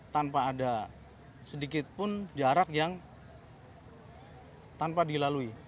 tanpa ada sedikit pun jarak yang tanpa dilalui